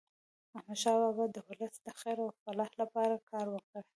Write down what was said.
احمد شاه بابا د ولس د خیر او فلاح لپاره کار وکړ.